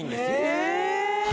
え！